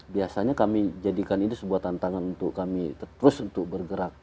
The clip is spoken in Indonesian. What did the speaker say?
biasanya kami jadikan ini sebuah tantangan untuk kami terus untuk bergerak